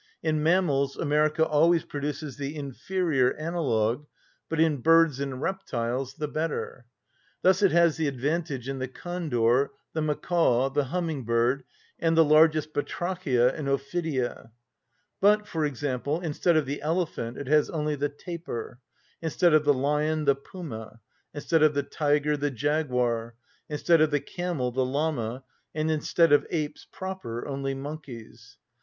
In mammals America always produces the inferior analogue, but in birds and reptiles the better. Thus it has the advantage in the condor, the macaw, the humming‐bird, and the largest batrachia and ophidia; but, for example, instead of the elephant it has only the tapir, instead of the lion the puma, instead of the tiger the jaguar, instead of the camel the lama, and instead of apes proper only monkeys.